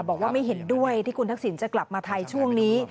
บอกว่าไม่เห็นด้วยที่คุณทักษิณจะกลับมาไทยช่วงนี้